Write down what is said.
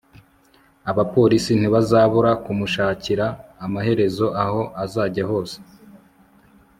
abapolisi ntibazabura kumushakira amaherezo aho azajya hose